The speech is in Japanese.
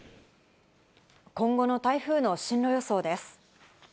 今後の台風の進路予想です。